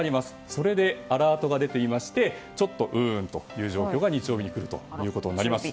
それでアラートが出ていましてちょっとうーんという状況が日曜日に来ることになります。